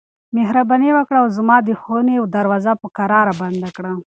مهرباني وکړه او زما د خونې دروازه په کراره بنده کړه.